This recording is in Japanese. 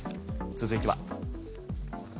続いては。